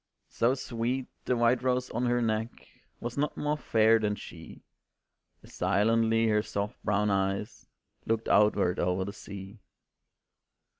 So sweet, the white rose on her neck Was not more fair than she, As silently her soft brown eyes Looked outward o'er the sea.